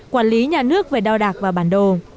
quản lý nhà nước về đo đạc và bản đồ